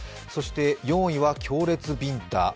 そして４位は強烈ビンタ。